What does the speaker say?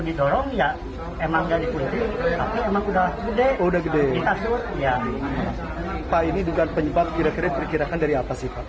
didorong ya emang dari pilih tapi emang udah udah udah gede ya pak ini dengan penyebab kira kira